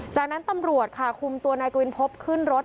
จากนั้นตำรวจค่ะคุมตัวนายกวินพบขึ้นรถ